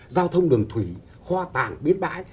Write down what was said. giao thông đường thủy kho tàng biến bãi